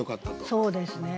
そうですね。